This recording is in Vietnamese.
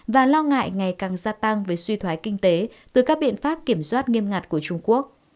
và lo ngại ngày càng gia tăng với suy thoái kinh tế từ các biện pháp kiểm soát nghiêm ngặt của trung quốc